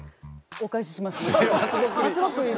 お返しします